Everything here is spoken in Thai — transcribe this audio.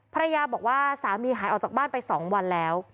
ภรรยาบอกว่าสามีหายออกจากบ้านไป๒วันแล้ว